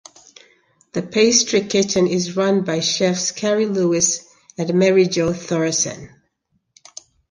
The pastry kitchen is run by chefs Carrie Lewis and Mary Jo Thoresen.